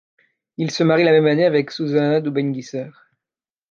Il se marie la même année avec Susanna Dubbengiesser.